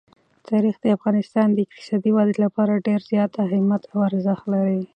تاریخ د افغانستان د اقتصادي ودې لپاره ډېر زیات اهمیت او ارزښت لري.